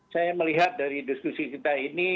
saya melihat dari diskusi kita ini